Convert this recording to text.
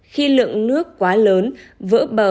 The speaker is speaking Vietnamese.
khi lượng nước quá lớn vỡ bờ